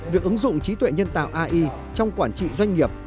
việc ứng dụng trí tuệ nhân tạo ai trong quản trị doanh nghiệp